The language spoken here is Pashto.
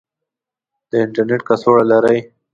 د انترنیټ کڅوړه لرئ؟